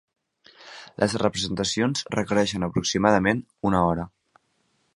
Les representacions requereixen aproximadament una hora.